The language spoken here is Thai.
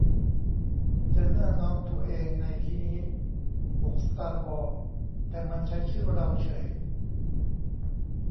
เจอหน้าน้องตัวเอง ใน ฮิฮิ ปกสตาร์วอร์ แต่มันใช้ชื่อเราเฉย